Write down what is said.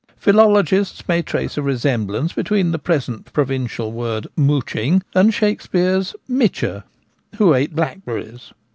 Philologists may trace a resemblance between the present provincial word ' mouching ' and Shakspeare's ' mitcher/ who ate blackberries.